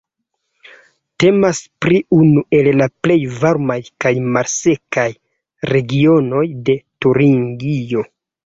Temas pri unu el la plej varmaj kaj malsekaj regionoj de Turingio.